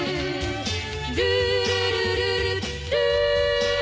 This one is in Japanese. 「ルールルルルルー」